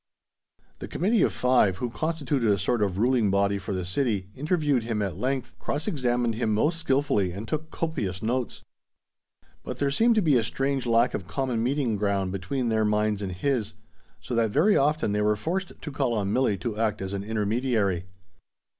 The Committee of Five, who constituted a sort of ruling body for the city, interviewed him at length, cross examined him most skilfully and took copious notes. But there seemed to be a strange lack of common meeting ground between their minds and his, so that very often they were forced to call on Milli to act as an intermediary.